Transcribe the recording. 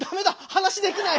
話できない！